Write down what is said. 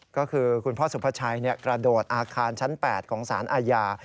ก็คือคุณพ่อสุภาชัยกระโดดอาคารชั้น๘ของสารอาญา